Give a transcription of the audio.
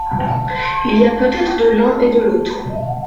Il y a peut-être de l’un et de l’autre.